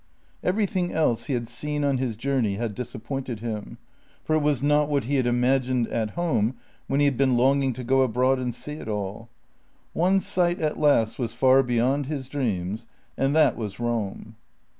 Everything else he had seen on his journey had disappointed him, for it was not what he had imagined at home when he had been longing to go abroad and see it all. One sight at last was far beyond his dreams, and that was Rome.